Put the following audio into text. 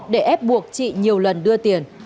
để ép buộc chị nhiều lần đưa tiền